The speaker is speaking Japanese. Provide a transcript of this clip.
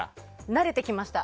慣れてきました。